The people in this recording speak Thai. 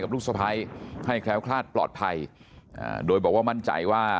ลูกสะพ้ายให้แคล้วคลาดปลอดภัยโดยบอกว่ามั่นใจว่า